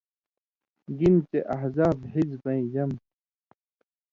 گِنہۡ چےۡ 'احزاب' حِزبَیں جمع تھی،